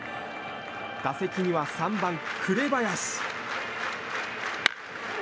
打席には３番、紅林。